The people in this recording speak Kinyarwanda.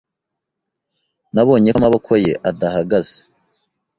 Nabonye ko amaboko ye adahagaze.